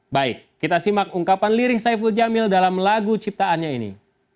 baik kita simak ungkapan lirik saiful jamil dalam lagu ciptaannya ini